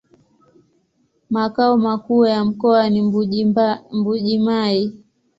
Makao makuu ya mkoa ni Mbuji-Mayi.